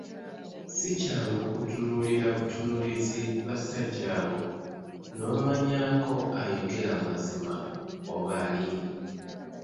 Si kyangu kutunuulira butunuulizi basajja abo n'omanyaako ayogera amazimba oba alimba.